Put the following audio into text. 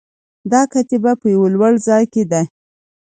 دا کتیبه په یوه لوړ ځای کې ده